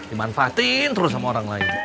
dimanfaatin terus sama orang lain